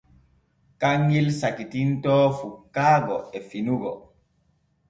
Kanŋel sakitintoo fukkaago e finugo.